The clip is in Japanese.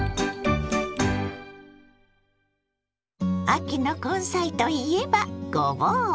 秋の根菜といえばごぼう！